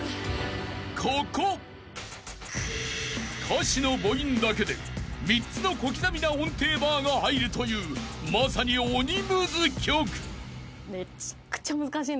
［歌詞の母音だけで３つの小刻みな音程バーが入るというまさに鬼ムズ曲］